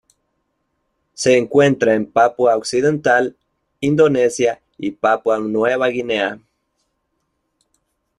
Se encuentra en Papua Occidental, Indonesia y Papua Nueva Guinea.